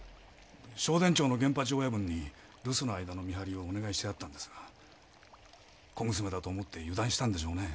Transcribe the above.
聖天町の源八親分に留守の間の見張りをお願いしてあったんですが小娘だと思って油断したんでしょうね。